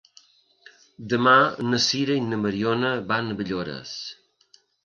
Demà na Sira i na Mariona van a Villores.